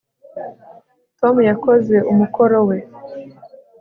tom yakoze umukoro we